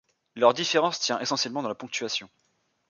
Leur différence tient essentiellement dans la ponctuation.